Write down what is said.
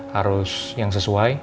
harus yang sesuai